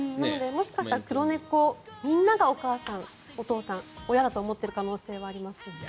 もしかしたら黒猫みんながお父さん、お母さん親だと思っている可能性はありますね。